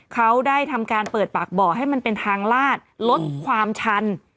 เขาได้ทำการเปิดปากบ่อให้มันเป็นทางลาดลดความชัน